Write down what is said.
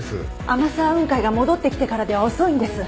天沢雲海が戻ってきてからでは遅いんです。